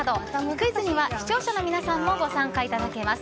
クイズには視聴者の皆さんもご参加いただけます。